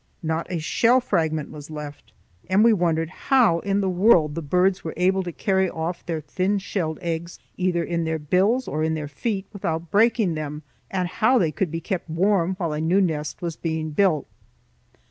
Not a shell fragment was left, and we wondered how in the world the birds were able to carry off their thin shelled eggs either in their bills or in their feet without breaking them, and how they could be kept warm while a new nest was being built.